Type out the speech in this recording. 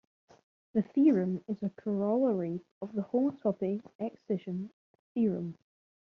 The theorem is a corollary of the homotopy excision theorem.